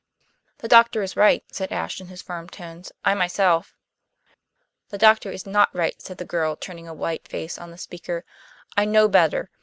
"The doctor is right," said Ashe, in his firm tones; "I myself " "The doctor is not right," said the girl, turning a white face on the speaker, "I know better.